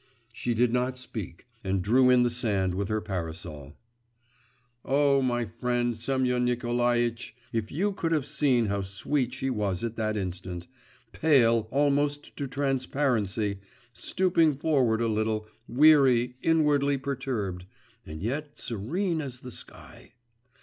She did not speak, and drew in the sand with her parasol. O, my friend, Semyon Nikolaitch! if you could have seen how sweet she was at that instant; pale almost to transparency, stooping forward a little, weary, inwardly perturbed and yet serene as the sky!